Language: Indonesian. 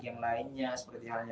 yang lainnya seperti halnya